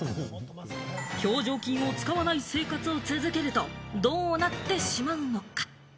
表情筋を使わない生活を続けるとどうなってしまうのか？